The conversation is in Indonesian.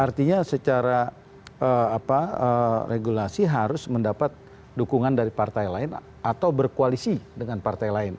artinya secara regulasi harus mendapat dukungan dari partai lain atau berkoalisi dengan partai lain